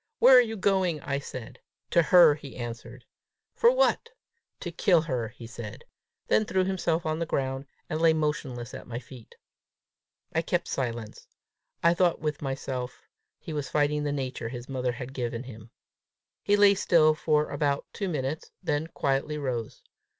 "Where are you going?" I said. "To her" he answered. "What for?" "To kill her," he said then threw himself on the ground, and lay motionless at my feet. I kept silence. I thought with myself he was fighting the nature his mother had given him. He lay still for about two minutes, then quietly rose.